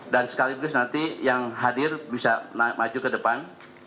dan sekaligus nanti yang hadir bisa maju ke depan